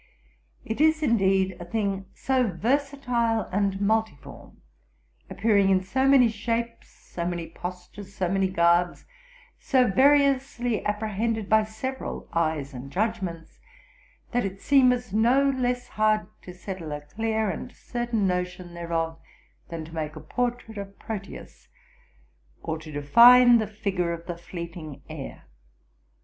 It is, indeed, a thing so versatile and multiform, appearing in so many shapes, so many postures, so many garbs, so variously apprehended by several eyes and judgements, that it seemeth no less hard to settle a clear and certain notion thereof, than to make a portrait of Proteus, or to define the figure of the fleeting air.